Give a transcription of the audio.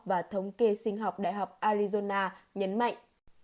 và thống kê sinh học đại học alizona nhấn mạnh